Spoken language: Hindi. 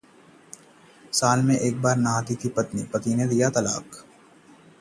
साल में एक बार नहाती थी पत्नी, पति ने दिया तलाक